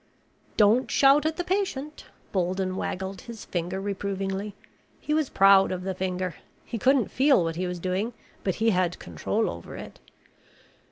"Don't shout at the patient." Bolden waggled his finger reprovingly. He was proud of the finger. He couldn't feel what he was doing, but he had control over it.